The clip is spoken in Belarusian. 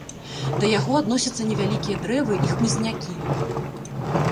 Да яго адносяцца невялікія дрэвы і хмызнякі.